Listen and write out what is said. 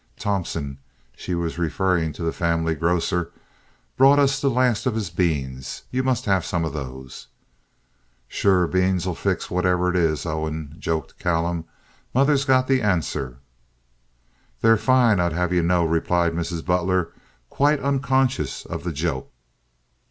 "Thompson"—she was referring to the family grocer—"brought us the last of his beans. You must have some of those." "Sure, beans'll fix it, whatever it is, Owen," joked Callum. "Mother's got the answer." "They're fine, I'd have ye know," replied Mrs. Butler, quite unconscious of the joke.